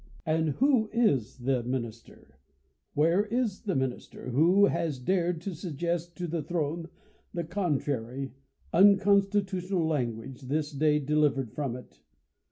Am] who is the minister ; where is the minister, who has dared to suggest to the throne the contrary, un constitutional language, this day delivered from it